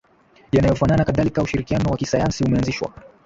yanayofanana Kadhalika ushirikiano wa kisayansi umeanzishwa